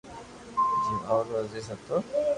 جي اوُ رو عزيز ھتو